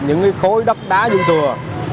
những khối đất đá dung thừa